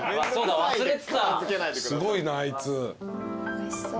おいしそう。